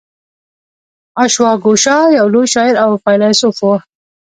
اشواګوشا یو لوی شاعر او فیلسوف و